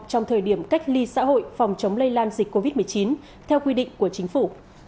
trong thời điểm cách ly xã hội phòng chống lây lan dịch covid một mươi chín theo quy định của chính phủ